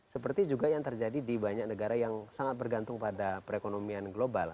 seperti juga yang terjadi di banyak negara yang sangat bergantung pada perekonomian global